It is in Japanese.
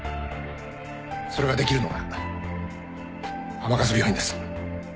それができるのが甘春病院です